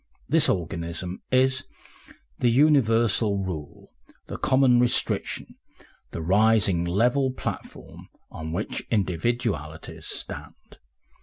This organism is the universal rule, the common restriction, the rising level platform on which individualities stand.